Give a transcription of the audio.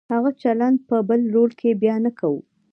هغه چلند په بل رول کې بیا نه کوو.